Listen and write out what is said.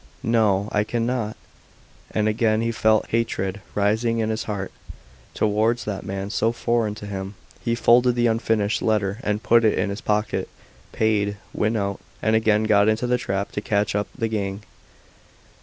... No, I cannot," and again he felt hatred rising in his heart towards that man so foreign to him. He folded the unfinished letter and put it in his pocket, paid, went out, and again got into the trap to catch up the gang.